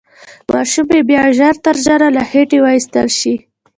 ماشوم يې بايد ژر تر ژره له خېټې واخيستل شي.